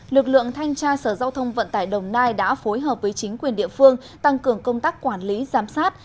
lực lượng thanh tra sở giao thông vận tải đồng nai đã phối hợp với chính quyền địa phương tăng cường công tác quản lý giám sát